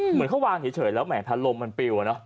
เหมือนเขาวางเฉยแล้วแหมพัดลมมันปลิว